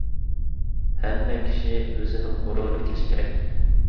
ھەممە كىشى ئۆزىنىڭ غۇرۇرىنى تىكلىشى كېرەك.